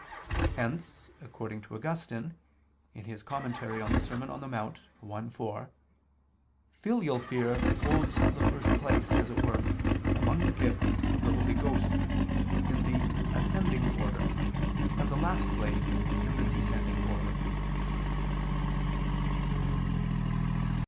Hence, according to Augustine (De Serm. Dom. in Monte i, 4) filial fear holds the first place, as it were, among the gifts of the Holy Ghost, in the ascending order, and the last place, in the descending order.